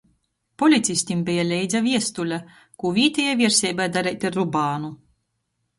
Policistim beja leidza viestule, kū vītejai vierseibai dareit ar Rubānu.